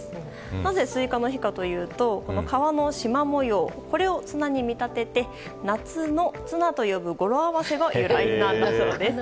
なぜスイカの日かというと皮のしま模様、これを綱に見立て夏の綱と呼ぶ語呂合わせが由来なんだそうなんです。